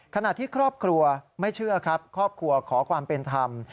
ขณะที่ครอบครัวไม่เชื่อครับครอบครัวขอความเป็นธรรม